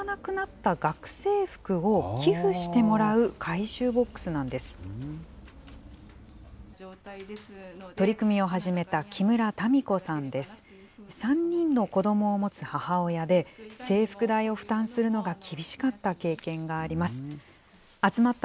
３人の子どもを持つ母親で、制服代を負担するのが厳しかった経験があります。